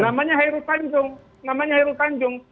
namanya hairul tanjung